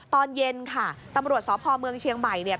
ตอนเย็นค่ะตำรวจสพเมืองเชียงใหม่เนี่ย